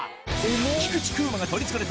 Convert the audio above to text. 菊池風磨が取り憑かれた